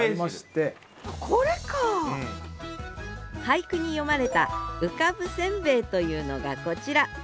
俳句に詠まれた「浮かぶせんべい」というのがこちら。